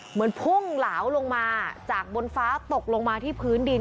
พุ่งเหลาลงมาจากบนฟ้าตกลงมาที่พื้นดิน